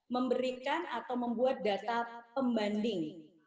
memberikan atau membuat data pembanding